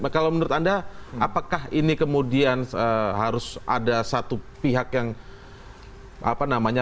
kalau menurut anda apakah ini kemudian harus ada satu pihak yang apa namanya